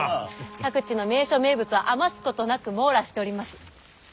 各地の名所名物を余すことなく網羅しております。